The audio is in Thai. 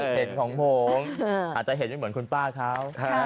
เห็นของผมอาจจะเห็นไม่เหมือนคุณป้าเขา